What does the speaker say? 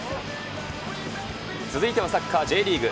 続いてはサッカーＪリーグ。